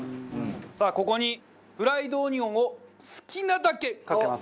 さあここにフライドオニオンを好きなだけかけます！